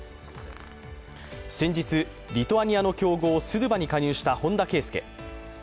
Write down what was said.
先日、リトアニアの強豪スドゥバに加入した本田圭佑。